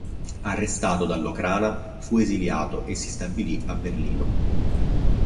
Arrestato dall'Ochrana, fu esiliato e si stabilì a Berlino.